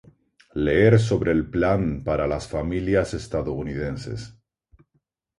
Leer sobre el Plan para las Familias Estadounidenses